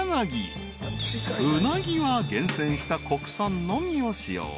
［うなぎは厳選した国産のみを使用］